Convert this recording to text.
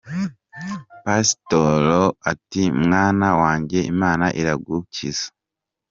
Pasitoro, ati : “mwana wanjye, Imana iragukiza”.